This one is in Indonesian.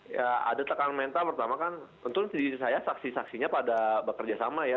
ya ada tekanan mental pertama kan tentu di saya saksi saksinya pada bekerja sama ya